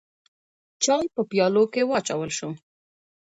چای په پیالو کې واچول شو.